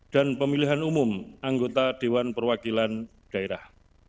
dan pemilihan umum anggota dewan perwakilan daerah